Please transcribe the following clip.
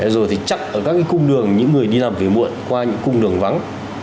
rồi thì chặn ở các cái cung đường những người đi làm về muộn qua những cung đường vắng